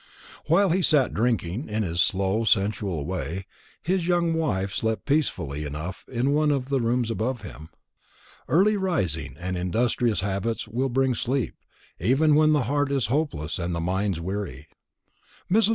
While he sat drinking in his slow sensual way, his young wife slept peacefully enough in one of the rooms above him. Early rising and industrious habits will bring sleep, even when the heart is hopeless and the mind is weary. Mrs.